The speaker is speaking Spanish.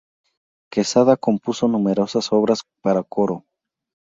Quesada compuso numerosas obras para coro.